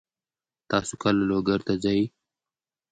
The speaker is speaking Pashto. تاسو کله لوګر ته ځئ؟